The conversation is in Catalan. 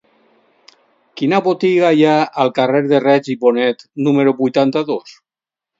Quina botiga hi ha al carrer de Reig i Bonet número vuitanta-dos?